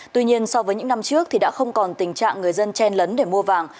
tuy nhiên so với những năm trước thì đã không còn tình trạng người dân chen lấn để mua vàng